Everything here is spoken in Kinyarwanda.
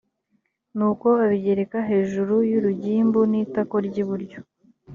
nuko abigereka hejuru y urugimbu n’ itako ry’ iburyo